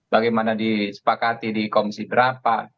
bagaimana disepakati di komisi berapa